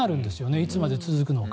いつまで続くのか。